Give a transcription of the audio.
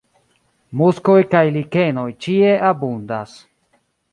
Muskoj kaj likenoj ĉie abundas.